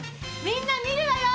みんな見るわよ！